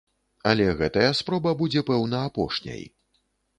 Але гэтая спроба будзе, пэўна, апошняй.